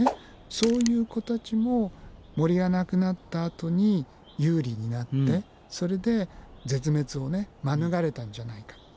そういう子たちも森がなくなったあとに有利になってそれで絶滅を免れたんじゃないかと。